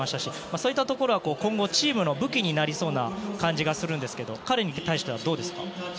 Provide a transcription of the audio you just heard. そういったところは今後チームの武器になりそうな気がしますが彼に対してはどうですか？